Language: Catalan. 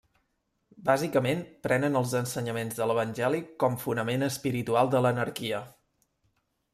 Bàsicament prenen els ensenyaments de l'Evangeli com fonament espiritual de l'anarquia.